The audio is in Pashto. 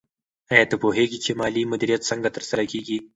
آیا ته پوهېږې چې مالي مدیریت څنګه ترسره کېږي؟